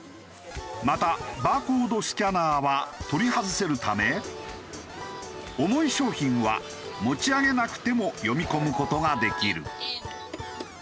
またバーコードスキャナーは取り外せるため重い商品は持ち上げなくても読み込む事ができる。